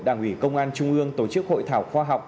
đảng ủy công an trung ương tổ chức hội thảo khoa học